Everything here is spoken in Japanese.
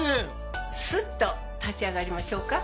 スッと立ち上がりましょうか。